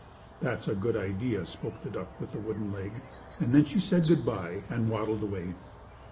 "That's a good idea," spoke the duck with the wooden leg, and then she said good by and waddled away.